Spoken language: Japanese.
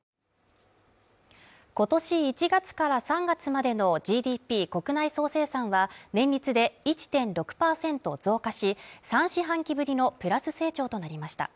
今年１月から３月までのＧＤＰ＝国内総生産は年率で１．６％増加し、３四半期ぶりのプラス成長となりました。